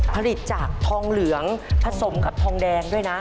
ผลิตจากทองเหลืองผสมกับทองแดงด้วยนะ